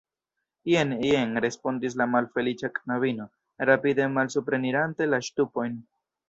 Jen, jen, respondis la malfeliĉa knabino, rapide malsuprenirante la ŝtupojn.